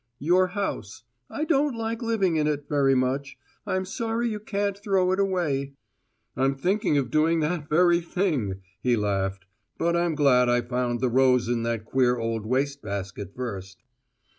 "Your house. I don't like living in it, very much. I'm sorry you can't throw it away." "I'm thinking of doing that very thing," he laughed. "But I'm glad I found the rose in that queer old waste basket first."